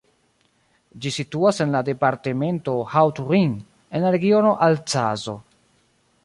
Ĝi situas en la departemento Haut-Rhin en la regiono Alzaco.